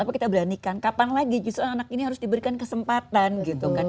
tapi kita beranikan kapan lagi justru anak ini harus diberikan kesempatan gitu kan